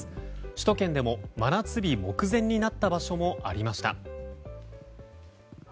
首都圏でも真夏日目前になった場所もありました。